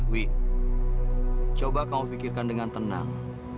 wi coba kau pikirkan dengan tenang